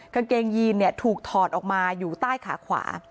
กางเกงยีนถูกถอดออกมาอยู่ใต้ขาขวา